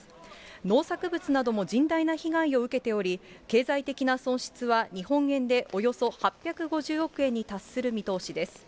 農作物なども甚大な被害を受けており、経済的な損失は日本円でおよそ８５０億円に達する見通しです。